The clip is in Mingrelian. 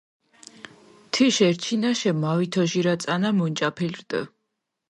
თიშ ერჩქინაშე მავითოჟირა წანა მონჭაფილ რდჷ.